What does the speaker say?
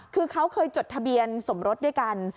คือเขาเคยจดทะเบียนสมรสด้วยกัน